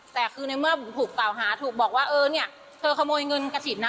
แต่คือในเมื่อถูกกล่าวหาถูกบอกว่าเออเนี่ยเธอขโมยเงินกระถิ่นนะ